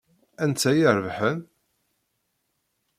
Anta i irebḥen?